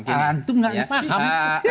tentu gak paham